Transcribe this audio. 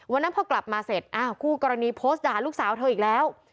วันนั้นพอกลับมาเสร็จอ้าวคู่กรณีโพสต์ด่าลูกสาวเธออีกแล้ว